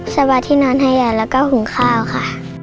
สะบัดที่นอนใหญ่และก็หุงข้าวค่ะ